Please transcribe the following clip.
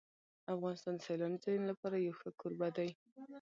افغانستان د سیلاني ځایونو لپاره یو ښه کوربه دی.